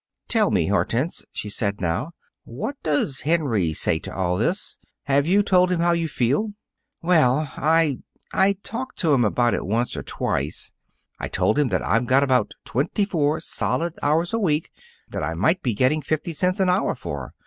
"Tell me, Hortense," she said now; "what does Henry say to all this? Have you told him how you feel?" "Well, I I talked to him about it once or twice. I told him that I've got about twenty four solid hours a week that I might be getting fifty cents an hour for.